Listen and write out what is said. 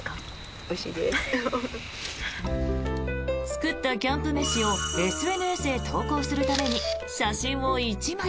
作ったキャンプ飯をＳＮＳへ投稿するために写真を１枚。